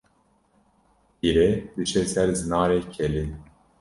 Pîrê diçe ser Zinarê Kelê